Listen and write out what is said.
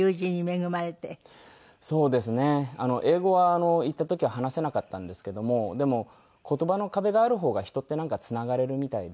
英語は行った時は話せなかったんですけどもでも言葉の壁がある方が人ってなんかつながれるみたいで。